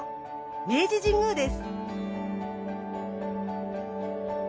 明治神宮です。